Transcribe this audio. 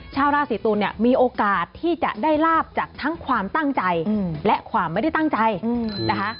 ชาวราศีตุลเนี่ยมีโอกาสที่จะได้ลาบจากทั้งความตั้งใจและความไม่ได้ตั้งใจนะคะ